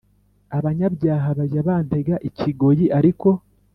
Abanyabyaha bajya bantega ikigoyi Ariko